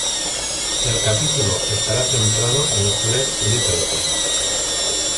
El capítulo está centrado en Claire Littleton.